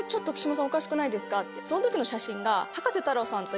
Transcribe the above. その時の写真が。